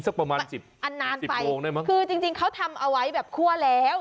สักประมาณ๑๐โมงได้มั้ยอันนานไปคือจริงเขาทำเอาไว้แบบคั่วแล้ว